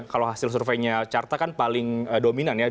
kalau hasil surveinya carta kan paling dominan ya